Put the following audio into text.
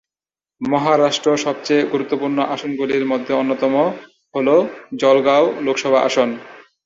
মহারাষ্ট্র সবচেয়ে গুরুত্বপূর্ণ আসনগুলির মধ্যে অন্যতম হল জলগাঁও লোকসভা আসন।